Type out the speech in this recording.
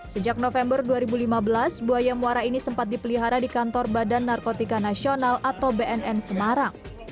sejak november dua ribu lima belas buaya muara ini sempat dipelihara di kantor badan narkotika nasional atau bnn semarang